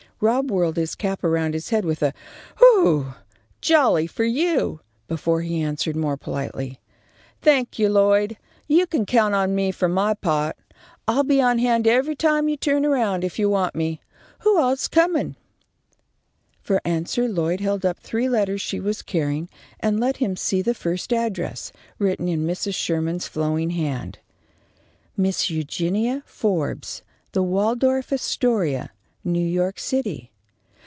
Rob whirled his cap around his head with a "Whe ew! Jolly for you!" before he answered more politely, "Thank you, Lloyd, you can count on me for my part. I'll be on hand every time you turn around, if you want me. Who all's coming?" For answer Lloyd held up the three letters she was carrying, and let him see the first address, written in Mrs. Sherman's flowing hand. Miss Eugenia Forbes, The Waldorf Astoria, _New York City.